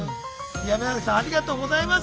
宮さんありがとうございます。